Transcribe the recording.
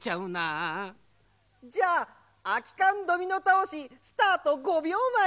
じゃああきかんドミノたおしスタート５びょうまえ。